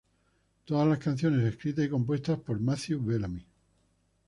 Todas las canciones escritas y compuestas por Matthew Bellamy.